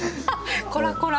こらこら。